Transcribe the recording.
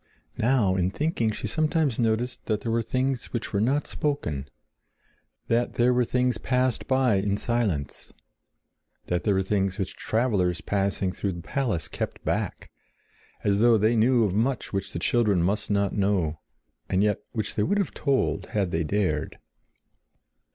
Now, in thinking, she sometimes noticed that there were things which were not spoken; that there were things passed by in silence; that there were things which travelers passing through the palace kept back, as though they knew of much which the children must not know, and yet which they would have told had they dared.